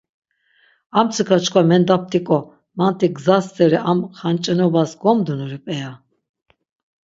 Armtsika çkva mendaptik̆o, manti gza steri am xanç̌enobas gomdunuri p̆eya?